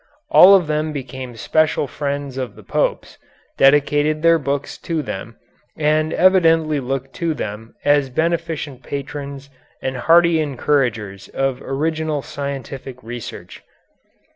All of them became special friends of the Popes, dedicated their books to them, and evidently looked to them as beneficent patrons and hearty encouragers of original scientific research.